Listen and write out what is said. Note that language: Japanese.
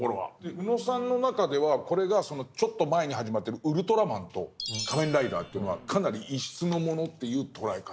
宇野さんの中ではこれがちょっと前に始まってる「ウルトラマン」と「仮面ライダー」というのはかなり異質のものっていう捉え方？